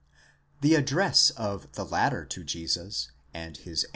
The address of the latter to Jesus and his.